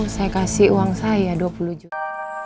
saya kasih uang saya dua puluh juta